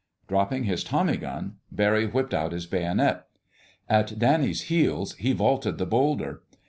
Dropping his tommy gun, Barry whipped out his bayonet. At Danny's heels he vaulted the boulder.